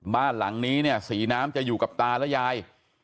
บ้านหลังนี้เนี่ยศรีน้ำจะอยู่กับตาและยาย